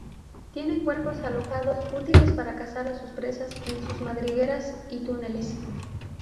Tienen cuerpos alargados, útiles para cazar a sus presas en sus madrigueras y túneles.